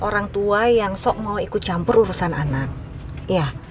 orang tua yang sok mau ikut campur urusan anak ya